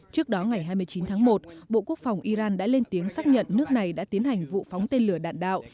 trước đó ngày hai mươi chín tháng một bộ quốc phòng iran đã lên tiếng xác nhận nước này đã tiến hành vụ phóng tên lửa đạn đạo